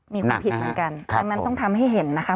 มีความผิดเหมือนกันดังนั้นต้องทำให้เห็นนะคะ